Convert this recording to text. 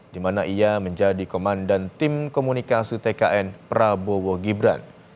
di mana ia menjadi komandan tim komunikasi tkn prabowo gibran